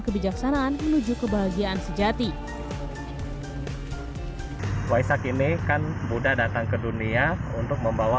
kebijaksanaan menuju kebahagiaan sejati waisak ini kan buddha datang ke dunia untuk membawa